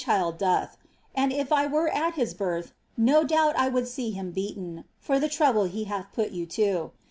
child dotli ; and if I were at his binh, no doubt I would see him beaten, for At trouble he h«th put you to.